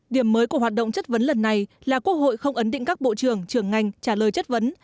điểm mới của hoạt động chất vấn lần này là quốc hội không ấn định các bộ trưởng trưởng ngành trả lời chất vấn